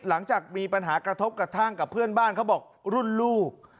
หลังจากมีปัญหากระทบกระทั่งกับเพื่อนบ้านเขาบอกรุ่นลูก